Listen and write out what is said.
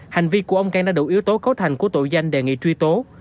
hành vi của ông cang đã đủ yếu tố cấu thành của tội danh đề nghị truy tố